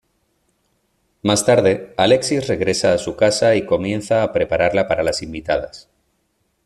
Más tarde, Alexis regresa a su casa y comienza a prepararla para las invitadas.